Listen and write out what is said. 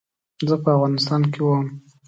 زه په افغانستان کې وم.